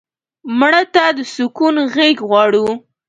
مړه ته د سکون غېږ غواړو